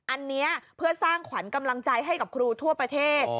อันนี้เพื่อสร้างขวัญกำลังใจให้กับครูทั่วประเทศ